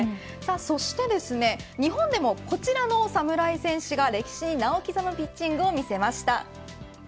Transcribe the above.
そしてですね、日本でもこちらの侍戦士が、歴史に名を刻むピッチングを見せました。